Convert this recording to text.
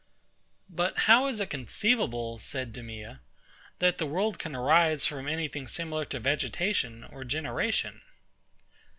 But how is it conceivable, said DEMEA, that the world can arise from any thing similar to vegetation or generation?